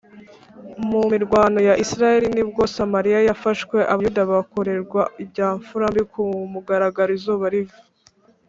Mu mirwano ya Isirayeli ni bwo Samariya yafashwe abayuda bakorerwa ibyamfurambi ku mugaragaro izuba riva